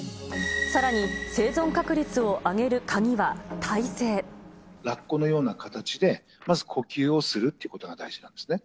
さらに生存確率を上げる鍵はラッコのような形で、まず呼吸をするということが大事なんですね。